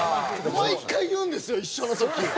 毎回言うんですよ一緒の時。